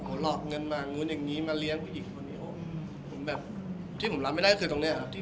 เหมือนก่อนมันจะเกิดเหมือนมีการขับรถมอสไซด์มาวนกันอะไรอย่างนี้